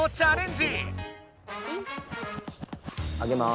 上げます。